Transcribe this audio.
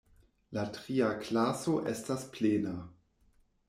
La tria klaso estas plena.